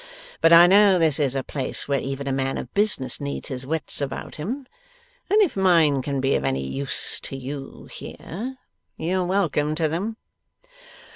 But I know this is a place where even a man of business needs his wits about him; and if mine can be of any use to you here, you're welcome to them.